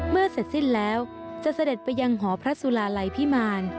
เสร็จสิ้นแล้วจะเสด็จไปยังหอพระสุลาลัยพิมาร